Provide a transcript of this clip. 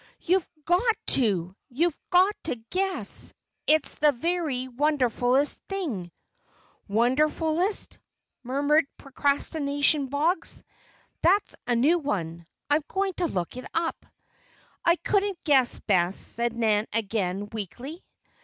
"You've got to! You've got to guess! It's the very wonderfulest thing " "'Wonderfulest'?" murmured "Procrastination Boggs." "That's a new one. I'm going to look it up." "I couldn't guess, Bess," said Nan again, weakly.